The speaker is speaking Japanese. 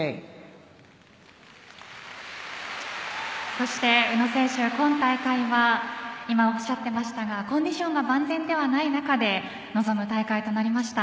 そして今大会は今おっしゃっていましたがコンディションが万全ではない中で臨む大会となりました。